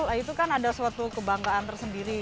nah itu kan ada suatu kebanggaan tersendiri